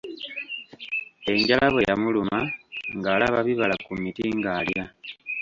Enjala bwe yamuluma ng'alaba bibala ku miti ng'alya.